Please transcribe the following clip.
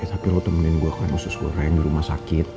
eh tapi lo temenin gue kan usus gue orang yang di rumah sakit